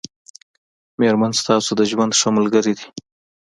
مېرمن ستاسو د ژوند ښه ملګری دی